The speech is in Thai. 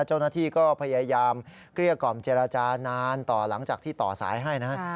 เจ้าหน้าที่ก็พยายามเกลี้ยกล่อมเจรจานานต่อหลังจากที่ต่อสายให้นะฮะ